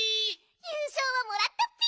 ゆうしょうはもらったッピ！